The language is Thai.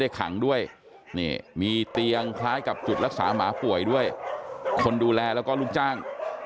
ขังด้วยนี่มีเตียงคล้ายกับจุดรักษาหมาป่วยด้วยคนดูแลแล้วก็ลูกจ้าง